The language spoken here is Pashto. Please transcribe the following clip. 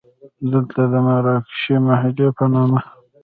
دلته د مراکشي محلې په نامه.